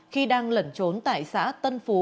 khi đang lẩn trốn tại xã tân phú